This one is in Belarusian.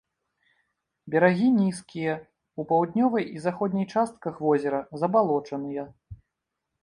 Берагі нізкія, у паўднёвай і заходняй частках возера забалочаныя.